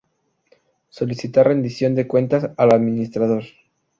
Solicitar rendición de cuentas al administrador.